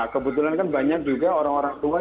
kebetulan kan banyak juga orang orang tua